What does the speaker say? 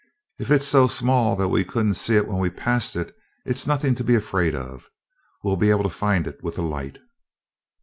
"If it's so small that we couldn't see it when we passed it, it's nothing to be afraid of. We'll be able to find it with a light."